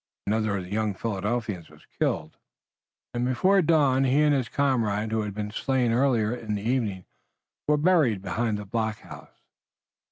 Another of the young Philadelphians was killed, and before dawn he and his comrade who had been slain earlier in the evening were buried behind the blockhouse.